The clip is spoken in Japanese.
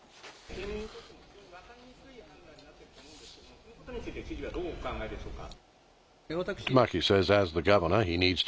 県民にとっても非常に分かりにくい判断になっていると思うんですけれども、そのことについて知事はどうお考えでしょうか。